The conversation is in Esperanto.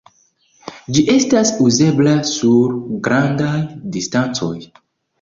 Ĝi estas uzebla sur grandaj distancoj.